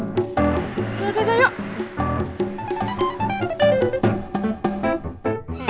yaudah yaudah yuk